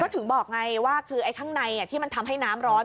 ก็ถึงบอกไงว่าข้างในที่มันทำให้น้ำร้อน